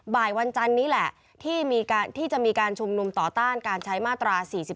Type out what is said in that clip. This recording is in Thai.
วันจันนี้แหละที่จะมีการชุมนุมต่อต้านการใช้มาตรา๔๔